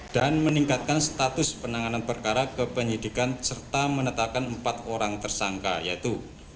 dan meningkatkan status penanganan perkara kepenyidikan serta menetapkan empat orang tersangka yaitu